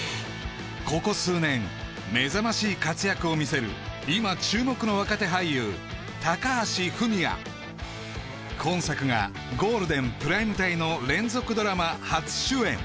ここ数年めざましい活躍を見せる今注目の若手俳優今作がゴールデンプライム帯の連続ドラマ初主演